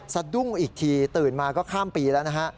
สะดุ้งอีกทีตื่นมาก็ข้ามปีแล้วนะฮะ